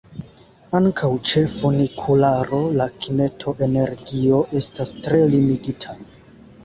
Ankaŭ ĉe funikularo la kineta energio estas tre limigita.